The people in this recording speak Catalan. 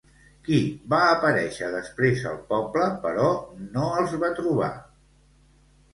Qui va aparèixer després al poble però no els va trobar?